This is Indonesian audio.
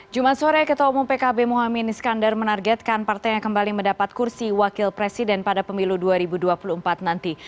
jumat sore ketemu pkb muhamad iskandar menargetkan partai yang kembali mendapat kursi wakil presiden pada pemilu dua ribu dua puluh empat nanti